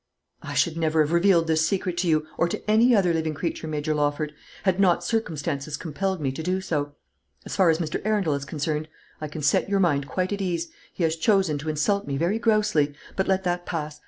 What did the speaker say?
"I should never have revealed this secret to you or to any other living creature, Major Lawford, had not circumstances compelled me to do so. As far as Mr. Arundel is concerned, I can set your mind quite at ease. He has chosen to insult me very grossly; but let that pass.